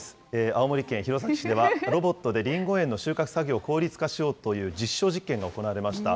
青森県弘前市ではロボットでりんご園の収穫作業を効率化しようという実証実験が行われました。